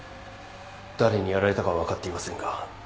誰にやられたかは分かっていませんが。